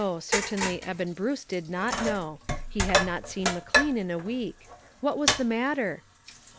Certainly Eben Bruce did not know. He had not seen McLean in a week. What was the matter?"